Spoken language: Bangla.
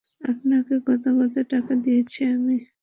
আপনাকে গাদা গাদা টাকা দিয়েছি আমি!